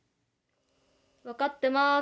分かってまーす。